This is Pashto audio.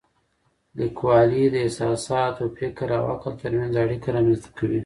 لیکوالی د احساساتو، فکر او عقل ترمنځ اړیکه رامنځته کوي.